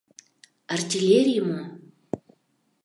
Артиллерий мо?